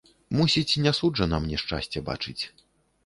Мусіць, не суджана мне шчасце бачыць.